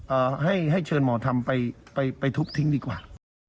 เอ่อให้ให้เชิญหมอธรรมไปไปทุบทิ้งดีกว่า